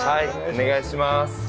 お願いします。